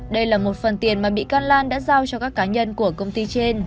đây là một phần tiền mà bị can lan đã giao cho các cá nhân của công ty trên